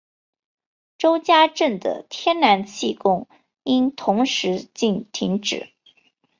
周家镇的天然气供应同时停止。